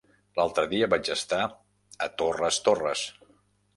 L'altre dia vaig estar a Torres Torres.